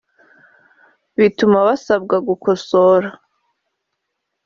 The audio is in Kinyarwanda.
bituma basabwa gukosora